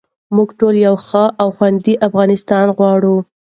موږ ټول یو ښه او خوندي افغانستان غواړو.